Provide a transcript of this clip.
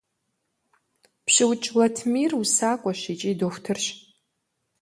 ПщыукӀ Латмир усакӀуэщ икӀи дохутырщ.